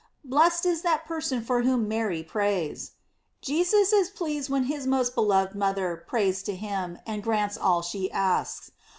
Blessed is that per son for whom Mary prays! Jesus is pleased when his most beloved mother prays to him, and grants all she asks.